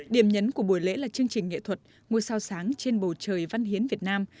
điểm nhấn của buổi lễ là chương trình nghệ thuật ngôi sao sáng trên bầu trời văn hiến việt nam